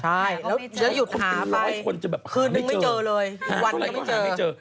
ใช่แล้วหยุดหาไปคืนหนึ่งไม่เจอเลยอยู่วันก็หาไม่เจอ